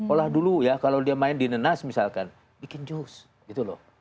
olah dulu ya kalau dia main di nenas misalkan bikin jus gitu loh